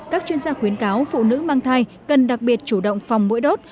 các chuyên gia khuyến cáo phụ nữ mang thai cần đặc biệt chủ động phòng mũi đốt